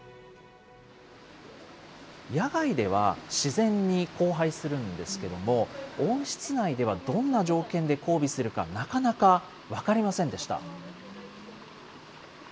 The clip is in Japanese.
野外では自然に交配するんですけども、温室内ではどんな条件で交尾するか、なかなか分かりませんでした。